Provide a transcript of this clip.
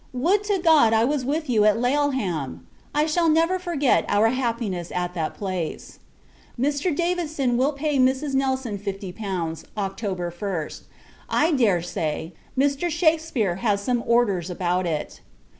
Would to God, I was with you at Laleham. I shall never forget our happiness at that place. Mr. Davison will pay Mrs. Nelson fifty pounds, October 1st. I dare say, Mr. Shakespeare has some orders about it.